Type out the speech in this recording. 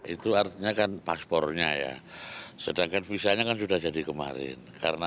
itu artinya kan paspornya ya sedangkan visanya kan sudah jadi kemarin